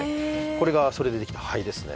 これがそれでできた灰ですね